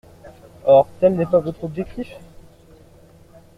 Or tel n’est pas votre objectif.